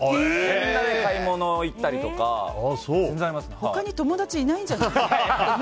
みんなで買い物行ったりとか他に友達いないんじゃない？